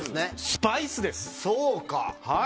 スパイスです。